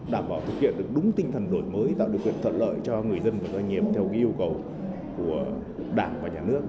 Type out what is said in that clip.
đảm bảo thực hiện được đúng tinh thần đổi mới tạo điều kiện thuận lợi cho người dân và doanh nghiệp theo yêu cầu của đảng và nhà nước